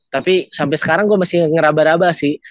tapi sampe sekarang gua masih ngeraba raba sih